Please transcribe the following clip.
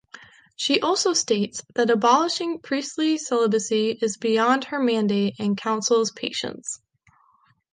She also states that abolishing priestly celibacy is beyond her mandate and counsels patience.